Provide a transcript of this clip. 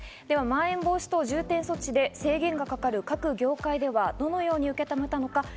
では、まん延防止等重点措置で制限がかかる各業界はどのように受け止めたのか。